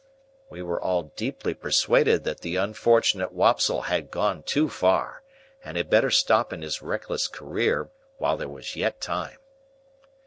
We were all deeply persuaded that the unfortunate Wopsle had gone too far, and had better stop in his reckless career while there was yet time.